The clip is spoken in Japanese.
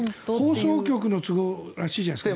放送局の都合らしいじゃないですか。